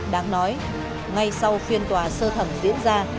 đáng nói ngay sau phiên tòa sơ thẩm diễn ra